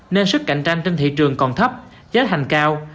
nên sức cạnh tranh trên thị trường còn thấp giá thành cao